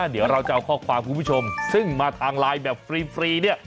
เดี๋ยวเราจะเอาข้อความคุณผู้ชมซึ่งมาทางไลน์แบบฟรีเนี่ย